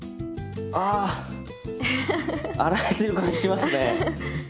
あ洗えてる感じしますね！